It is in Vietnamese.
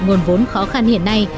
nguồn vốn khó khăn hiện nay